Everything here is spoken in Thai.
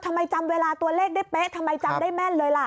ทำไมจำเวลาตัวเลขได้เป๊ะทำไมจำได้แม่นเลยล่ะ